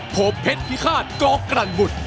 พบเพชรพิฆาตกกรรณบุตร